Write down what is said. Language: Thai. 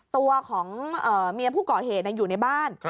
ตัวของเมียผู้ก่อเหตุอยู่ในบ้าน